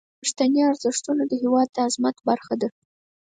پښتني ارزښتونه د هیواد د عظمت برخه دي.